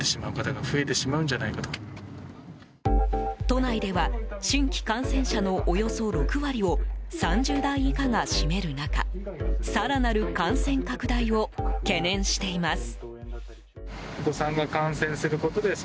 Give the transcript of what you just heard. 都内では新規感染者のおよそ６割を３０代以下が占める中更なる感染拡大を懸念しています。